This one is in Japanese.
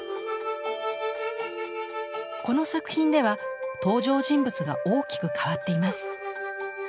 この作品では登場人物が大きく変わっています。